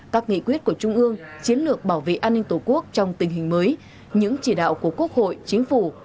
các nghị quyết của trung ương chiến lược bảo vệ an ninh tổ quốc trong tình hình mới những chỉ đạo của quốc hội chính phủ